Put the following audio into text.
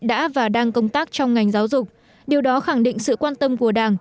đã và đang công tác trong ngành giáo dục điều đó khẳng định sự quan tâm của đảng